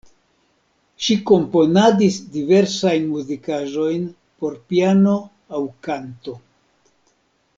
Ŝi komponadis diversajn muzikaĵojn por piano aŭ kanto.